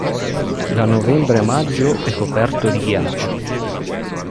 Da novembre a maggio è coperto di ghiaccio.